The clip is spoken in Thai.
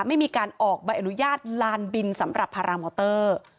ไม่มีการออกใบอนุญาตลานบินสำหรับพารามอเตอร์